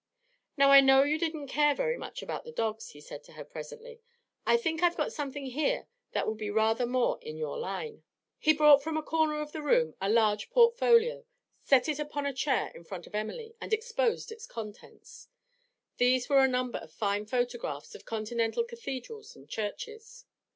'Now I know you didn't care very much about the dogs,' he said to her presently. 'I think I've got something here that will be rather more in your line.' He brought from a corner of the room a large portfolio, set it upon a chair in front of Emily, and exposed its contents. These were a number of fine photographs of continental cathedrals and churches.